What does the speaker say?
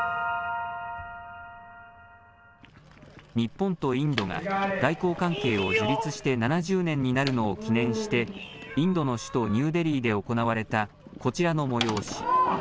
日本とインドが外交関係を樹立して７０年になるのを記念してインドの首都ニューデリーで行われたこちらの催し。